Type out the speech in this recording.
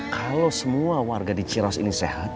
kalau semua warga di ciros ini sehat